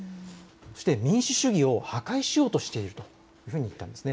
そして民主主義を破壊しようとしているというふうに言ったんです。